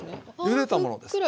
ゆでたものです。